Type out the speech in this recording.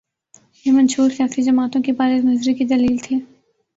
یہ منشور سیاسی جماعتوں کی بالغ نظری کی دلیل تھے۔